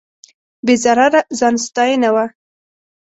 بې ضرره ځان ستاینه وه.